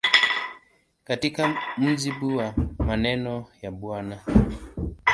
Katika mujibu wa maneno ya Bw.